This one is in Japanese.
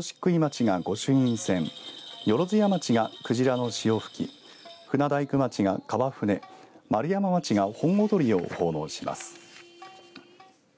石灰町が御朱印船万屋町が鯨の潮吹き船大工町が川船丸山町が本踊を奉納します。